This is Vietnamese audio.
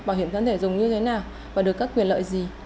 bảo hiểm thân thể dùng như thế nào và được các quyền lợi gì